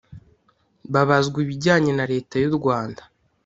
babazwa ibijyanye na leta y’u Rwanda